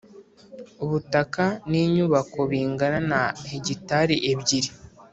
Ubutaka n inyubako bingana na hegitari ebyiri